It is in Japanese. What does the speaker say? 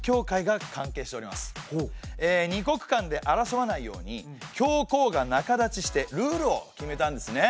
２国間で争わないように教皇が仲立ちしてルールを決めたんですね。